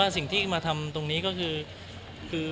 เรียกงานไปเรียบร้อยแล้ว